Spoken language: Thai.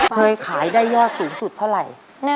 เคยขายได้ยอดสูงสุดเท่าไหร่